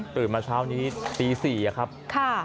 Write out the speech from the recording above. ตื่นมาเช้านี้ตี๔ครับค่ะ